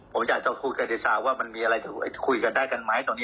ผมอยากจะคุยกับเดชาว่ามันมีอะไรคุยกันได้กันไหมตอนนี้